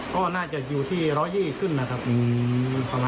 ก็น่าจะอยู่ที่๑๒๐ขึ้นนะครับ